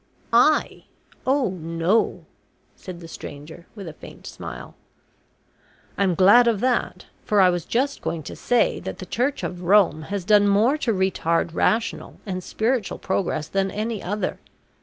"I oh no," said the stranger with a faint smile. "I'm glad of that, for I was just going to say that the Church of Rome has done more to retard rational and spiritual progress than any other.